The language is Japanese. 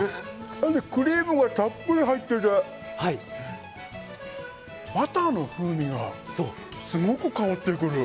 クリームがたっぷり入っててバターの風味がすごく香ってくる。